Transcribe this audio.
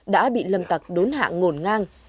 đã bị lâm tặc đốn hạ ngổn ngang